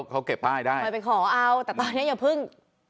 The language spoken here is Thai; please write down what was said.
เขาเก็บป้ายได้เคยไปขอเอาแต่ตอนนี้อย่าเพิ่ง